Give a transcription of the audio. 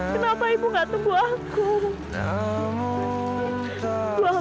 kenapa ibu gak temu aku